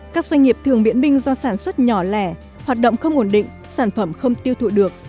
các doanh nghiệp thường miễn minh do sản xuất nhỏ lẻ hoạt động không ổn định sản phẩm không tiêu thụ được